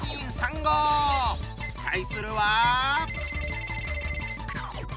対するは。